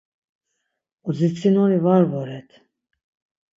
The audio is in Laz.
Oditsinoni var voret.